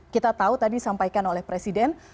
kita tahu tadi disampaikan oleh presiden